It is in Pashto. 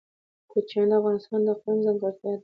کوچیان د افغانستان د اقلیم ځانګړتیا ده.